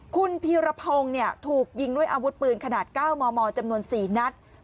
คุณพีรพงศ์ถูกยิงด้วยอาวุธปืนขนาด๙มมจำนวน๔นัด